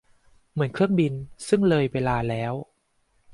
เหมือนเครื่องบินซึ่งเลยเวลาแล้ว